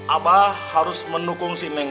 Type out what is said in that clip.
abah harus mendukung si neng